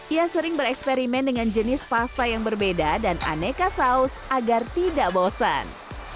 ia sering bereksperimen dengan jenis pasta yang berbeda dan aneka saus agar tidak bosan